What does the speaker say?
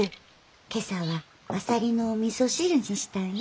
今朝はあさりのおみそ汁にしたんよ。